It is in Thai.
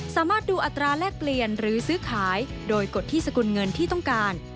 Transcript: สามารถดูอัตราแลกเปลี่ยนหรือซื้อขายโดยกฎที่สกุลเงินที่ต้องการ